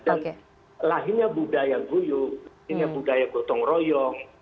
dan lahirnya budaya guyu lahirnya budaya gotong royong